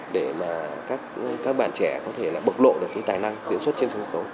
để mà các bạn trẻ có thể là bộc lộ được cái tài năng diễn xuất trên sân khấu